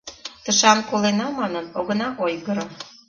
Тышан колена манын, огына ойгыро.